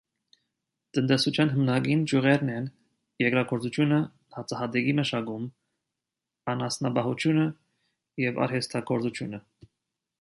Տնտեսության հիմնական ճյուղերն էին երկրագործությունը (հացահատիկի մշակում), անասնապահությունը և արհեստագործությունը։